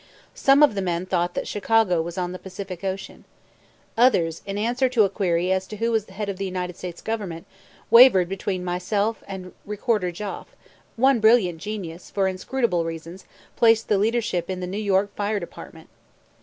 Some of the men thought that Chicago was on the Pacific Ocean. Others, in answer to a query as to who was the head of the United States Government, wavered between myself and Recorder Goff; one brilliant genius, for inscrutable reasons, placed the leadership in the New York Fire Department.